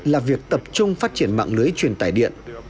là việc tập trung phát triển mạng lưới truyền tài điện